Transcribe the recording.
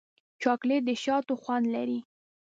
چاکلېټ د شاتو خوند لري.